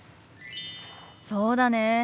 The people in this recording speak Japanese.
そうだね。